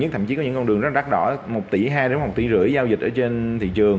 thậm chí có những con đường nó đắt đỏ một tỷ hai đến một tỷ rưỡi giao dịch ở trên thị trường